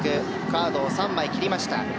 カードを３枚切りました。